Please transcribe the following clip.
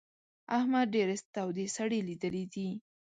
احمد ډېرې تودې سړې ليدلې دي.